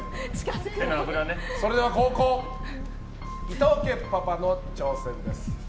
それでは後攻伊藤家パパの挑戦です。